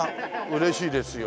嬉しいですよ。